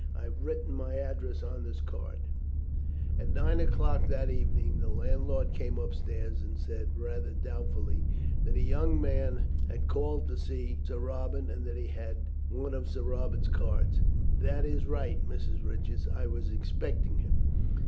I have written my address on this card." At nine o'clock that evening the landlady came upstairs and said, rather doubtfully, that a young man had called to see Sir Robert, and that he had one of Sir Robert's cards. "That is right, Mrs. Richards. I was expecting him."